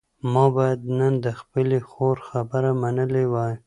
ما باید نن د خپلې خور خبره منلې وای.